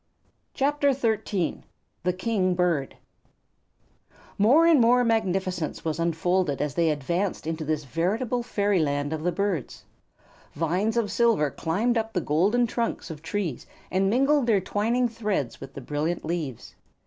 [CHAPTER XIII] The King Bird More and more magnificence was unfolded as they advanced into this veritable fairyland of the birds. Vines of silver climbed up the golden trunks of trees and mingled their twining threads with the brilliant leaves.